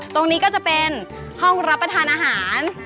ตรงนี้ก็จะเป็นห้องรับประทานอาหาร